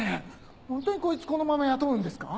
ホントにこいつこのまま雇うんですか？